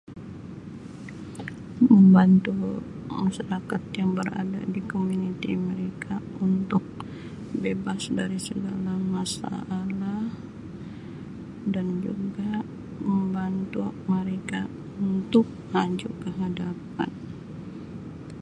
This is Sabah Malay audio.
Membantu masyarakat yang berada di komuniti mereka untuk bebas dari segala masalah dan juga membantu mereka untuk maju ke hadapan.